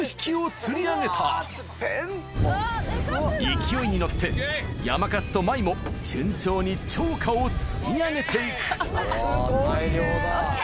勢いに乗ってやかまつと舞も順調に釣果を積み上げていくＯＫ！